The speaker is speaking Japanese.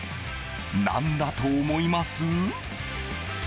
何だと思います？